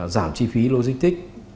giảm chi phí logistic